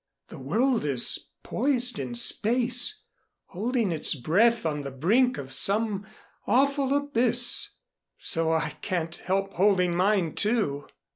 The world is poised in space holding its breath on the brink of some awful abyss. So I can't help holding mine, too."